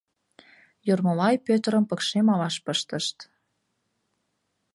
Йӧрмолай Пӧтырым пыкше малаш пыштышт.